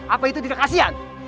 apa itu tidak kasihan